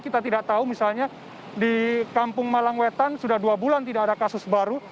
kita tidak tahu misalnya di kampung malangwetan sudah dua bulan tidak ada kasus baru